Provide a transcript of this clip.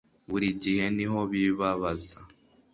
Buri gihe niho bibabaza